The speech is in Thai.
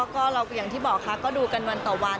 ก็อย่างที่บอกค่ะก็ดูกันวันต่อวัน